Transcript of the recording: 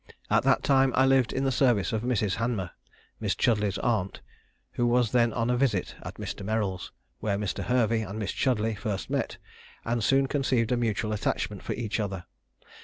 At that time I lived in the service of Mrs. Hanmer, Miss Chudleigh's aunt, who was then on a visit at Mr. Merrill's, where Mr. Hervey and Miss Chudleigh first met, and soon conceived a mutual attachment for each other.